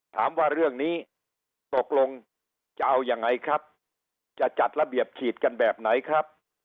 ถามว่าเรื่องนี้ตกลงจะเอายังไงครับจะจัดระเบียบฉีดกันแบบไหนครับ